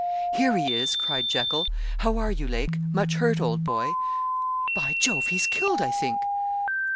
'Here he is,' cried Jekyl. 'How are you, Lake? Much hurt, old boy? By Jove, he's killed, I think.'